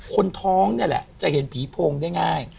คนท้องนี่แหละจะเห็นผีโพงได้ง่าย